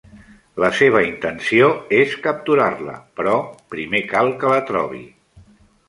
La seva intenció és capturar-la, però primer cal que la trobi.